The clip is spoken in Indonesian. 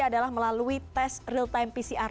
adalah melalui tes real time pcr